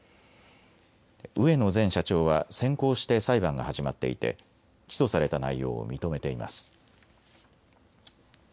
植野前社長は先行して裁判が始まっていて起訴された内容を認めています。